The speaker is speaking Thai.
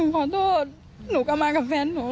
ขอโทษหนูกลับมากับแฟนหนู